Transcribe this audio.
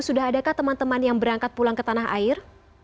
sudah adakah teman teman yang berangkat pulang ke tanah air